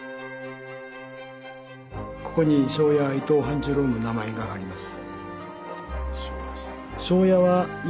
ここに庄屋伊藤半十郎の名前があります。